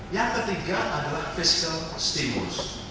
yang ketiga adalah fiskal stimulus